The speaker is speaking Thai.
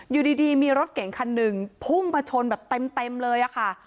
อยู่ดีมีรถเก่งคันหนึ่งพุ่งมาชนแบบเต็มเลยค่ะ